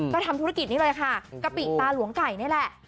ก็ทำธุรกิจนี้เลยค่ะกะปิตาหลวงไก่นี่แหละ